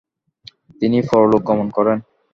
তিনি পরলোক গমন করেন।